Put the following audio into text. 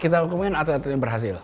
kita hukumin atlet atlet yang berhasil